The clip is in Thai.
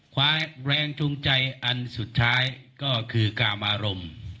คว้าแรงชุงใจอันสุดท้ายก็คือกล้ามอารมณ์